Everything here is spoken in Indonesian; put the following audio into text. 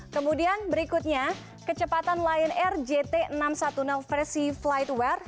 kemudian berikutnya kecepatan lion air jt enam ratus sepuluh versi flightware